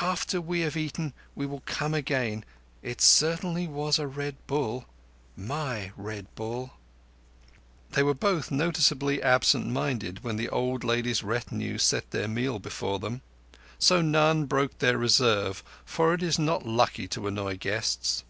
After we have eaten we will come again. It certainly was a Red Bull—my Red Bull." They were both noticeably absent minded when the old lady's retinue set their meal before them; so none broke their reserve, for it is not lucky to annoy guests.